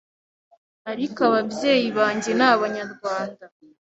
ariko ababyeyi banjye ni abanyarwanda,